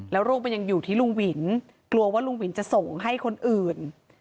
แล้วโรคมันยังอยู่ที่ลุงหวินกลัวว่าลุงหวินจะส่งให้คนอื่น